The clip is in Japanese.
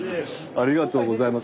ありがとうございます。